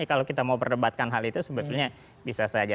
kalau kita mau perdebatkan hal itu sebetulnya bisa saja